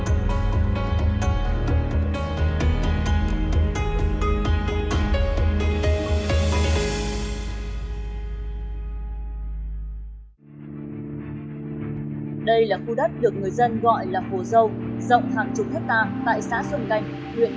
ở đây là khu đất được người dân gọi là phố dâu rộng hàng chục thết tạng tại xã xuân canh huyện